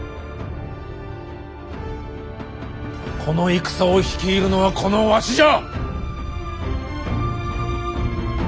この戦を率いるのはこのわしじゃ！